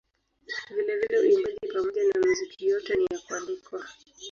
Vilevile uimbaji pamoja na muziki yote ni ya kuandikwa.